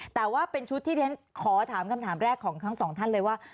แต่ว่าเป็นชุดที่เรียนขอถามคำถามแรกของทั้งสองท่านเลยว่า